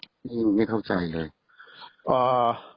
ใจโทรอะไรขนาดนั้นอ่ะพี่ไม่เข้าใจเลยอ่า